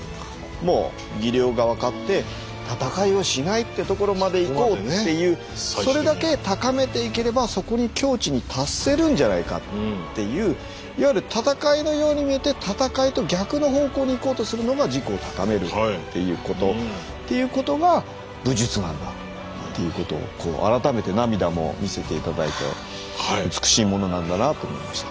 もう技量が分かって戦いをしないってところまでいこうっていうそれだけ高めていければそこに境地に達せるんじゃないかっていういわゆる戦いのように見えて戦いと逆の方向に行こうとするのが自己を高めるっていうことっていうことが武術なんだっていうことを改めて涙も見せて頂いて美しいものなんだなと思いました。